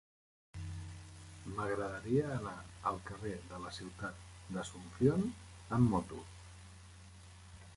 M'agradaria anar al carrer de la Ciutat d'Asunción amb moto.